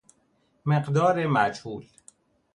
مقدار مجهول